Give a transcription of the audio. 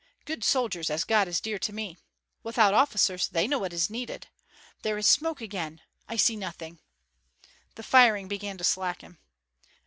Good soldiers, as God is dear to me! Without officers, they know what is needed. There is smoke again! I see nothing " The firing began to slacken.